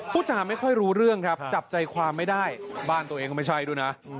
พูดจาไม่ค่อยรู้เรื่องครับจับใจความไม่ได้บ้านตัวเองก็ไม่ใช่ด้วยนะ